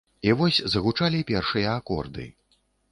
І вось загучалі першыя акорды.